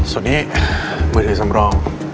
ส่วนนี้มือถือสำรอง